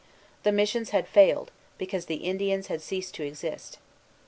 The missions had failed, because the Indians had ceased to exist.